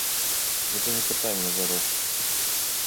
Гэта не пытанне заробку.